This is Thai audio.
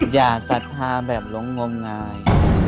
อย่าศรัทธาแบบหลงงมงาย